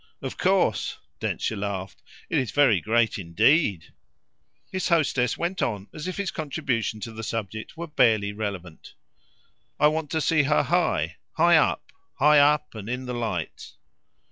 "Of course," Densher laughed, "that's very great indeed." His hostess went on as if his contribution to the subject were barely relevant. "I want to see her high, high up high up and in the light."